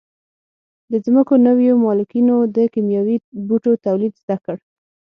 د ځمکو نویو مالکینو د کیمیاوي بوټو تولید زده کړ.